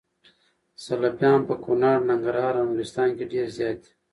سلفيان په کونړ ، ننګرهار او نورستان کي ډير زيات دي